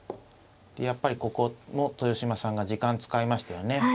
やっぱりここも豊島さんが時間使いましたよね。